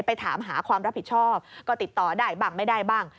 ถามหาความรับผิดชอบก็ติดต่อได้บ้างไม่ได้บ้าง